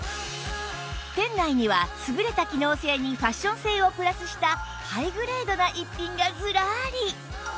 店内には優れた機能性にファッション性をプラスしたハイグレードな逸品がずらり